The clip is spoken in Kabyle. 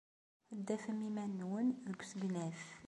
Ad d-tafem iman-nwen deg usegnaf.